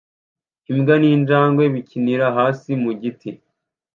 Imbwa n'injangwe bikinira hasi mu giti